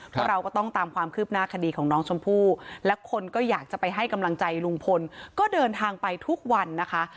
เพราะเราก็ต้องตามความคืบหน้าคดีของน้องชมพู่และคนก็อยากจะไปให้กำลังใจลุงพลก็เดินทางไปทุกวันนะคะ